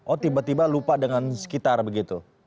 oh tiba tiba lupa dengan sekitar begitu